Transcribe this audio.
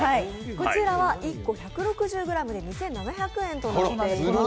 こちらは１個１６０グラムで２７００円となっています。